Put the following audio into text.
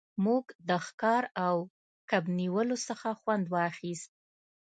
موږ د ښکار او کب نیولو څخه خوند واخیست